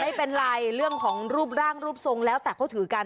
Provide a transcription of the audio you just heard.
ไม่เป็นไรเรื่องของรูปร่างรูปทรงแล้วแต่เขาถือกัน